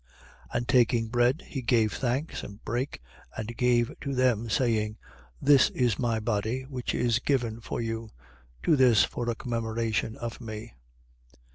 22:19. And taking bread, he gave thanks and brake and gave to them, saying: This is my body, which is given for you. Do this for a commemoration of me.